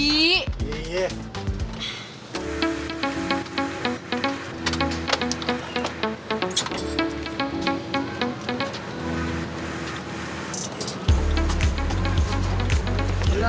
udah udah udah